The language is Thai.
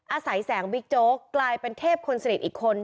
แสงบิ๊กโจ๊กกลายเป็นเทพคนสนิทอีกคน